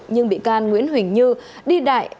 nhưng bị can nguyễn huỳnh như đi đại